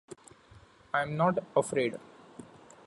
I’m not afraid.